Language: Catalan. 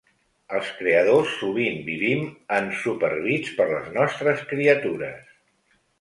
Els creadors sovint vivim ensuperbits per les nostres criatures.